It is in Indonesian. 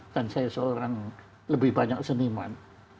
dan saya seorang lebih banyak seniman